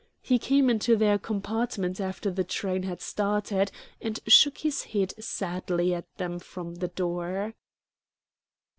He came into their compartment after the train had started, and shook his head sadly at them from the door.